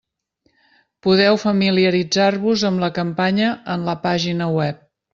Podeu familiaritzar-vos amb la campanya en la pàgina web.